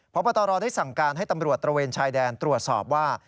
พบตรได้สั่งการให้ตำรวจตระเวนชายแดนตรวจสอบว่า